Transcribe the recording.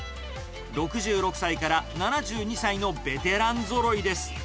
６６歳から７２歳のベテランぞろいです。